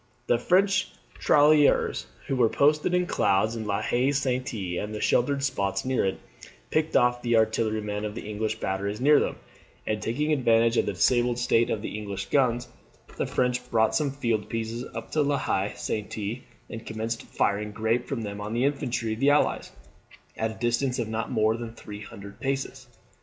The French tirailleurs, who were posted in clouds in La Haye Sainte, and the sheltered spots near it, picked off the artillerymen of the English batteries near them: and taking advantage of the disabled state of the English guns, the French brought some field pieces up to La Haye Sainte, and commenced firing grape from them on the infantry of the Allies, at a distance of not more than a hundred paces.